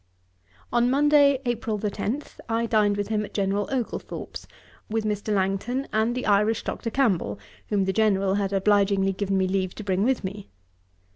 On Monday, April 10, I dined with him at General Oglethorpe's, with Mr. Langton and the Irish Dr. Campbell, whom the General had obligingly given me leave to bring with me.